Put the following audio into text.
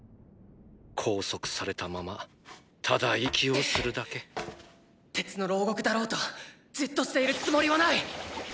拘束されたままただ息をするだけ鉄の牢獄だろうとじっとしているつもりはない！